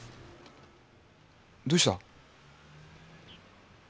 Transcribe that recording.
どうした？